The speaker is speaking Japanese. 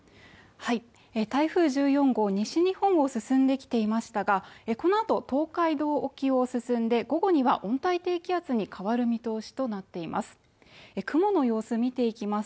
台風１４号、西日本を進んできていましたが、このあと東海道沖を進んで午後には温帯低気圧に変わる見通しとなっています。